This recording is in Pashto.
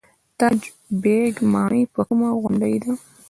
تاج بیګ ماڼۍ په کومه غونډۍ ده؟